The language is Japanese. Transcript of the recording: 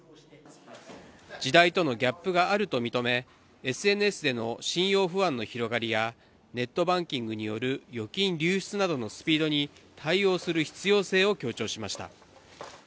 時代とのギャップがあると認め、ＳＮＳでの信用不安の広がりやネットバンキングによる預金流出などのスピードに対応する必要性を強調しました。